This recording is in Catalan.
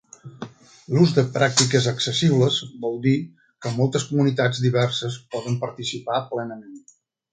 L'ús de pràctiques accessibles vol dir que moltes comunitats diverses poden participar plenament.